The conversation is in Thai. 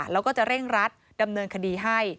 แล้วก็จะเร่งรัดดำเนินคดีให้